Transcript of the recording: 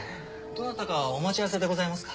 どなたかお待ち合わせでございますか？